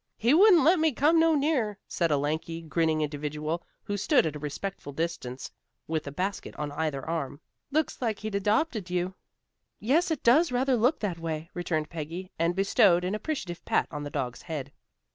"He wouldn't let me come no nearer," said a lanky, grinning individual who stood at a respectful distance, with a basket on either arm. "Looks like he'd adopted you." "Yes, it does rather look that way," returned Peggy, and bestowed an appreciative pat on the dog's head.